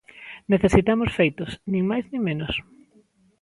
Necesitamos feitos, nin máis nin menos.